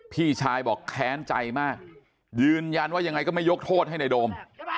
พี่ชายบอกแค้นใจมากยืนยันว่ายังไงก็ไม่ยกโทษให้ในโดม